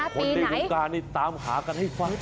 คนเด็กองค์กาตามหากันให้ฟัง